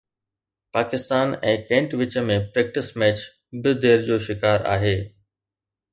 Pakistan ۽ Kent وچ ۾ practice match به دير جو شڪار آهي